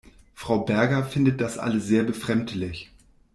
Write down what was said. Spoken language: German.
Frau Berger findet das alles sehr befremdlich.